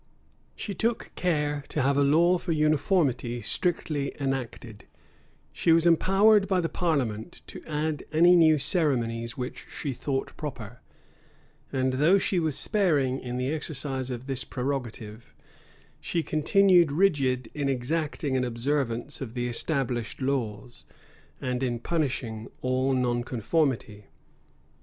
She took care to have a law for uniformity strictly enacted: she was empowered by the parliament to add any new ceremonies which she thought proper: and though she was sparing in the exercise of this prerogative, she continued rigid in exacting an observance of the established laws, and in punishing all nonconformity.